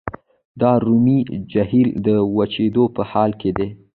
د ارومیې جهیل د وچیدو په حال کې دی.